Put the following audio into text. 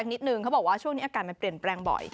นิดนึงเขาบอกว่าช่วงนี้อากาศมันเปลี่ยนแปลงบ่อย